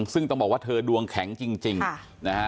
ซึ่งต้องบอกว่าเธอดวงแข็งจริงจริงค่ะค่ะนะฮะ